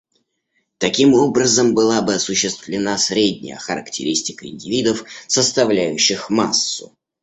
Таким образом была бы осуществлена средняя характеристика индивидов, составляющих массу.